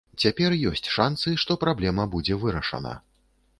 Цяпер ёсць шанцы, што праблема будзе вырашана.